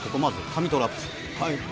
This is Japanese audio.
まず神トラップ。